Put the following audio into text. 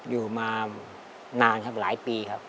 อยู่มานานครับหลายปีครับ